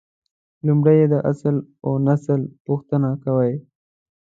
لومړی یې د اصل اونسل پوښتنه کوي.